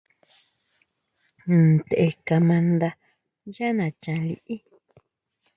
Ntʼe kama nda yá nachan liʼí.